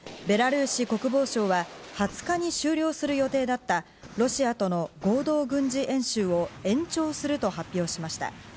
ベラルーシ国防省は２０日に終了する予定だったロシアとの合同軍事演習を延長すると発表しました。